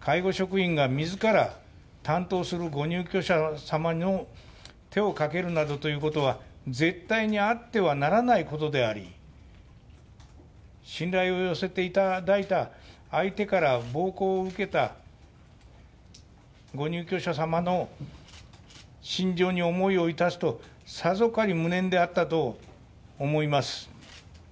介護職員が自ら、担当するご入居者様の手をかけるなどということは絶対にあってはならないことであり信頼を寄せていただいた相手から暴行を受けたご入居者様の心情に思いをいたすとさぞかし無念であったと思います。